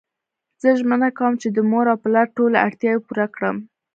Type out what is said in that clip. زه ژمنه کوم چی د مور او پلار ټولی اړتیاوی پوره کړم